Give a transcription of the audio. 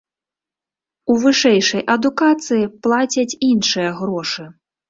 У вышэйшай адукацыі плацяць іншыя грошы.